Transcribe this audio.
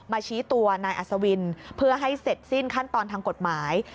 ชี้ตัวนายอัศวินเพื่อให้เสร็จสิ้นขั้นตอนทางกฎหมาย